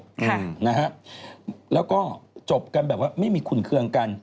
ค่ะนะฮะแล้วก็จบกันแบบว่าไม่มีขุ่นเครื่องกัน